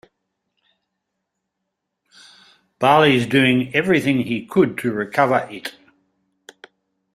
Barley's doing everything he could to recover it.